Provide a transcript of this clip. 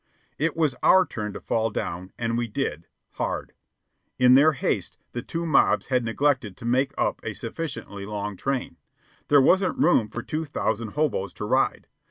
It was our turn to fall down, and we did, hard. In their haste, the two mobs had neglected to make up a sufficiently long train. There wasn't room for two thousand hoboes to ride.